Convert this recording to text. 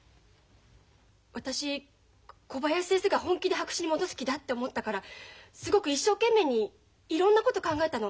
私小林先生が本気で白紙に戻す気だって思ったからすごく一生懸命にいろんなこと考えたの。